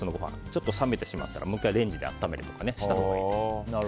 ちょっと冷めてしまったらもう１回レンジで温めたりしたほうがいいと思います。